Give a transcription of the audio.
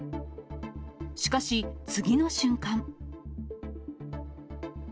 しかし、次の瞬間。